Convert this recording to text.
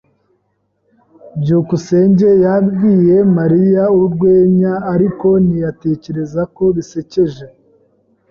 byukusenge yabwiye Mariya urwenya, ariko ntiyatekereza ko bisekeje.